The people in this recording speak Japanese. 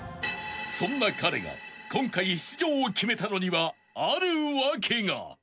［そんな彼が今回出場を決めたのにはある訳が］